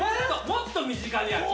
もっと身近にある。